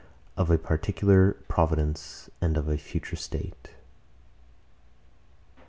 OF A PARTICULAR PROVIDENCE AND OF A FUTURE STATE.